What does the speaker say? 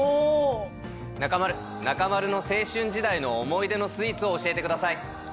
中丸、中丸の青春時代の思い出のスイーツを教えてください。